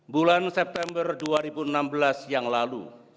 bulan september dua ribu enam belas yang lalu